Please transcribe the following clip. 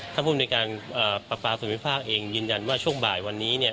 ท่านผู้มีในการอ่าปรับปลาศูนย์ภูมิภาคเองยืนยันว่าช่วงบ่ายวันนี้เนี่ย